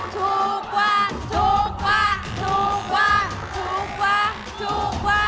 ถูกกว่าถูกกว่า